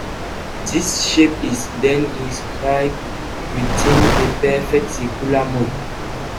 This shape is then inscribed within a perfect circular moat.